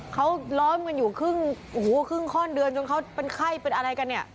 เขาร้อนมันอยู่หัวครึ่งข้อนเดือนจนเขาเป็นไข้เป็นอะไรกัน